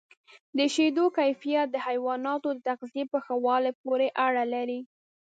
د شیدو کیفیت د حیواناتو د تغذیې په ښه والي پورې اړه لري.